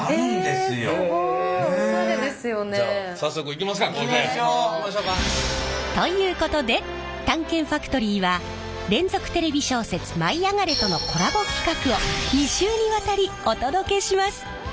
行きましょか。ということで「探検ファトリー」は連続テレビ小説「舞いあがれ！」とのコラボ企画を２週にわたりお届けします！